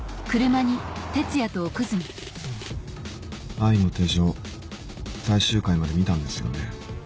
『愛の手錠』最終回まで見たんですよね？